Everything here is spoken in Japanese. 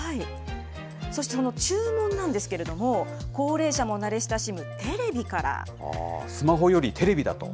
そして、この注文なんですけれども、高齢者も慣れ親しむテレスマホよりテレビだと。